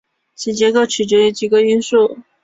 其结构取决于几个因素。